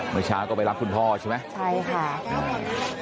เมื่อเช้าก็ไปรับคุณพ่อใช่ไหม